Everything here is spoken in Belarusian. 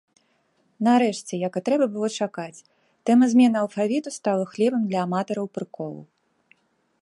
Нарэшце, як і трэба было чакаць, тэма змены алфавіту стала хлебам для аматараў прыколаў.